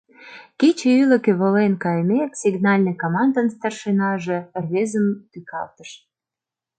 — Кече ӱлыкӧ волен кайымек, сигнальный командын старшинаже рвезым тӱкалтыш.